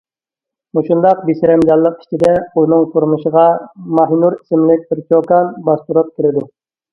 مۇشۇنداق بىسەرەمجانلىق ئىچىدە ئۇنىڭ تۇرمۇشىغا ماھىنۇر ئىسىملىك بىر چوكان باستۇرۇپ كېرىدۇ.